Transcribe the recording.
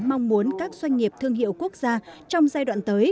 mong muốn các doanh nghiệp thương hiệu quốc gia trong giai đoạn tới